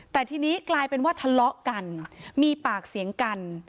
แต่ทีนี้กลายเป็นว่าทะเลาะกันมีปากเสียงกัน